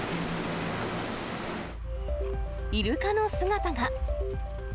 イルカの姿が。